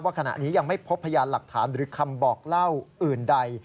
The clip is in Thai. ขณะนี้ยังไม่พบพยานหลักฐานหรือคำบอกเล่าอื่นใด